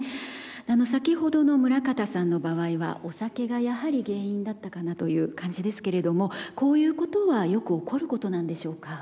先ほどの村方さんの場合はお酒がやはり原因だったかなという感じですけれどもこういうことはよく起こることなんでしょうか？